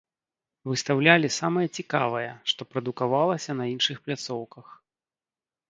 Выстаўлялі самае цікавае, што прадукавалася на іншых пляцоўках.